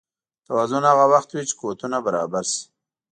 توازن هغه وخت وي چې قوتونه برابر شي.